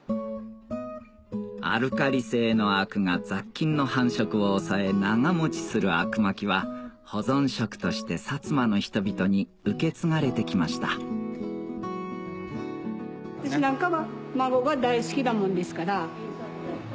アルカリ性の灰汁が雑菌の繁殖を抑え長持ちするあくまきは保存食として薩摩の人々に受け継がれて来ました私なんかは。